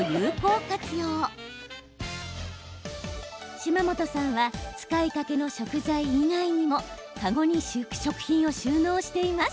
島本さんは使いかけの食材以外にも籠に食品を収納しています。